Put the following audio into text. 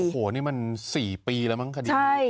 โหนี่มัน๔ปีแล้วมั้งคดี